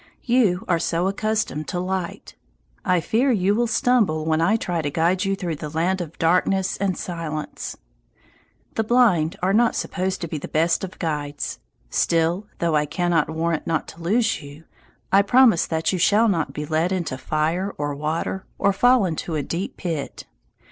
You are so accustomed to light, I fear you will stumble when I try to guide you through the land of darkness and silence. The blind are not supposed to be the best of guides. Still, though I cannot warrant not to lose you, I promise that you shall not be led into fire or water, or fall into a deep pit.